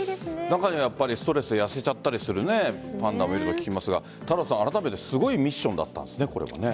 中にはストレスで痩せちゃったりするパンダもいると聞きますがあらためてすごいミッションだったんですね